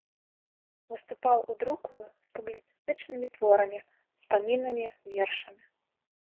Выступаў у друку з публіцыстычнымі творамі, успамінамі, вершамі.